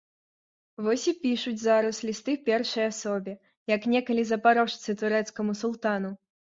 Вось і пішуць зараз лісты першай асобе, як некалі запарожцы турэцкаму султану.